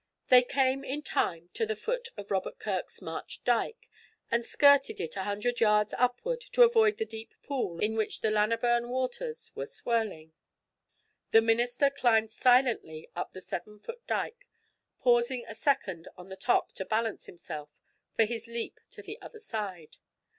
They came in time to the foot of Robert Kirk's march dyke, and skirted it a hundred yards upward to avoid the deep pool in which the Laneburn waters were swirling. The minister climbed silently up the seven foot dyke, pausing a second on the top to balance himself for his leap to the other side.